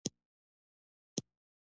چرګان د خلکو د ژوند په کیفیت تاثیر کوي.